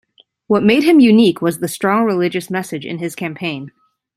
What made him unique was the strong religious message in his campaign.